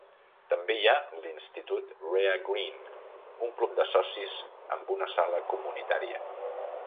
També hi ha l'Institut Wrea Green, un club de socis amb una sala comunitària.